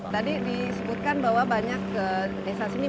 tadi disebutkan bahwa banyak desa sini masih sifatnya terbang